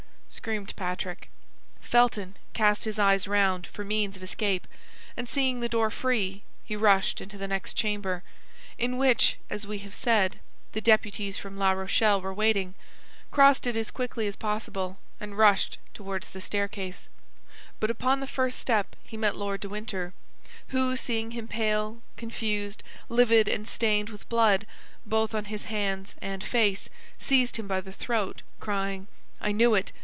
screamed Patrick. Felton cast his eyes round for means of escape, and seeing the door free, he rushed into the next chamber, in which, as we have said, the deputies from La Rochelle were waiting, crossed it as quickly as possible, and rushed toward the staircase; but upon the first step he met Lord de Winter, who, seeing him pale, confused, livid, and stained with blood both on his hands and face, seized him by the throat, crying, "I knew it!